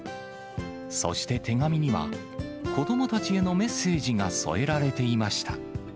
そして手紙には、子どもたちへのメッセージが添えられていました。